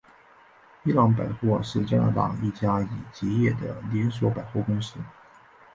伊顿百货是加拿大一家已结业的连锁百货公司。